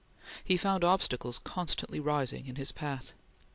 He found obstacles constantly rising in his path.